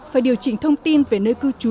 phải điều chỉnh thông tin về nơi cư trú